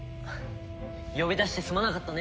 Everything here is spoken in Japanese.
呼び出してすまなかったね